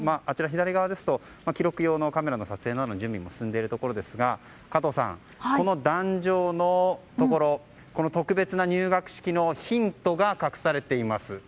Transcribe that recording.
あちら、左側ですと記録用のカメラの撮影などの準備が進んでいるところですが加藤さん、この壇上のところ特別な入学式のヒントが隠されています。